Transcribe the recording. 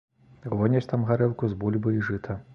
Гоняць там гарэлку з бульбы і жыта.